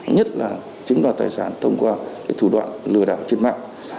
nhất là chiếm đoạt tài sản thông qua thủ đoạn lừa đảo trên mạng